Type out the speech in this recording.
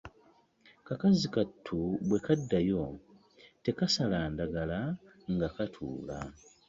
Kakazi kattu bwe kaddayo tekaasala ndagala, nga katuula.